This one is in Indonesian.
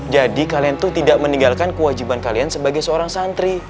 jadi kalian tuh tidak meninggalkan kewajiban kalian sebagai seorang santri